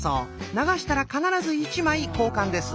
流したら必ず１枚交換です。